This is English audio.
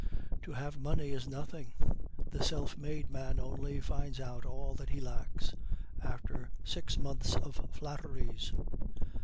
To have money is nothing; the self made man only finds out all that he lacks after six months of flatteries.